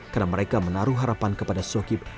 karena mereka menaruh harapan kepada sokip